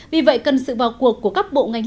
vì vậy cần sự vào cuộc của các bộ ngành